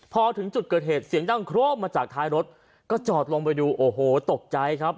พอถึงจุดเกิดเหตุเสียงดังโครมมาจากท้ายรถก็จอดลงไปดูโอ้โหตกใจครับ